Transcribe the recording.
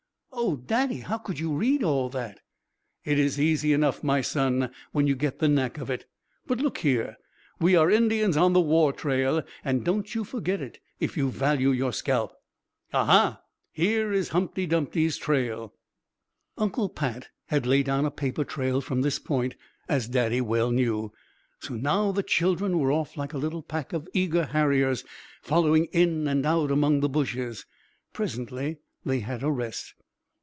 "Oh, Daddy, how could you read all that?" "It's easy enough, my son, when you get the knack of it. But look here, we are Indians on the war trail, and don't you forget it if you value your scalp! Aha, here is Humpty Dumpty's trail!" Uncle Pat had laid down a paper trail from this point, as Daddy well knew; so now the children were off like a little pack of eager harriers, following in and out among the bushes. Presently they had a rest.